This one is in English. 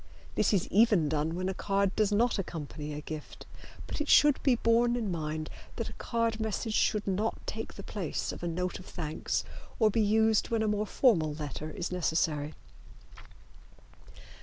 This is even done when a card does not accompany a gift, but it should be borne in mind that a card message should not take the place of a note of thanks or be used when a more formal letter is necessary.